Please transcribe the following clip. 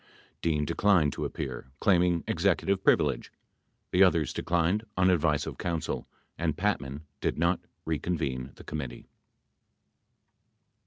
93 Dean declined to appear, claiming executive privilege. The others declined on advice of counsel and Patman did not recon vene the committee.